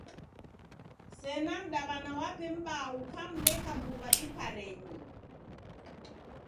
Sena mdaw'ana wape m'baa ukamneka mbuw'a iparenyi.